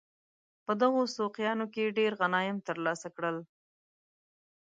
په دغو سوقیانو کې ډېر غنایم ترلاسه کړل.